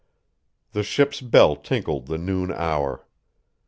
The ship's bell tinkled the noon hour.